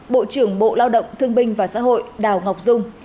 bộ trưởng bộ lao động thương binh và xã hội đào ngọc dung